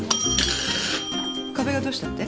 壁がどうしたって？